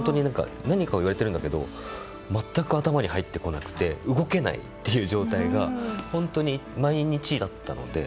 何かを言われているんだけど全く頭に入ってこなくて動けないという状態が本当に毎日だったので。